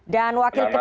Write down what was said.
dan wakil ketua